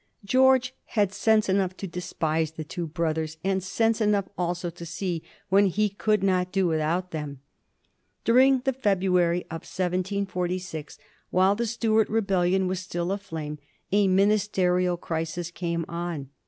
George had sense enough to despise the two brothers, and sense enough also to see when he could not do without them. During the February of 1746, while the Stuart rebellion was still aflame, a ministerial crisis came on.